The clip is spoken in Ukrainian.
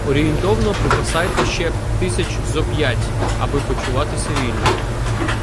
Орієнтовно – припасайте ще тисяч зо п’ять, аби почуватися вільно